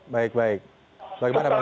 baik baik bagaimana bang firman